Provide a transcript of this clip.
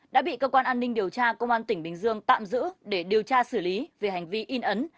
đã bị cơ quan an ninh điều tra công an tỉnh bình dương tạm giữ để điều tra xử lý về hành vi in ấn